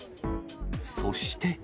そして。